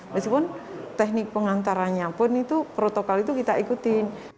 meskipun teknik pengantarannya pun itu protokol itu kita ikutin